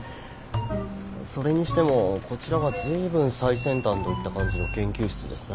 それにしてもこちらは随分最先端といった感じの研究室ですね。